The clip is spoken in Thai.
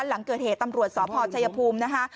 หลังเกิดเหตุตำรวจสพชัยภูมินะคะ